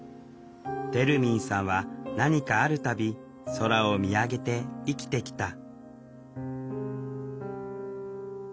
てるみんさんは何かあるたび空を見上げて生きてきた